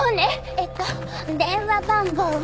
えっと電話番号は。